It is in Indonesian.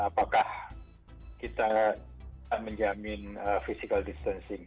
apakah kita menjamin physical distancing